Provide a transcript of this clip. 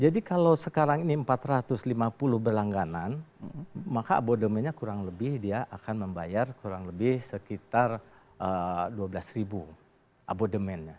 jadi kalau sekarang ini empat ratus lima puluh berlangganan maka abodemennya kurang lebih dia akan membayar kurang lebih sekitar dua belas ribu abodemennya